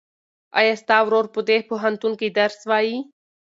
ایا ستا ورور په دې پوهنتون کې درس وایي؟